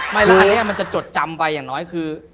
ไม่รู้อันนี้มันจะจดจำไปอย่างน้อยคือ